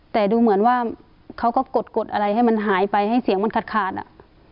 แต่ดูเหมือนว่าเขาก็กดกดอะไรให้มันหายไปให้เสียงมันขาดอ่ะ